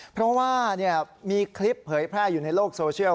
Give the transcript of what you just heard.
เพราะว่ามีคลิปเผยแพร่อยู่ในโลกโซเชียล